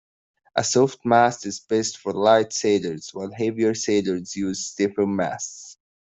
A soft mast is best for light sailors, while heavier sailors use stiffer masts.